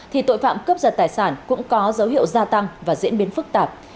thì tội phạm cướp giật tài sản cũng có dấu hiệu gia tăng và diễn biến phức tạp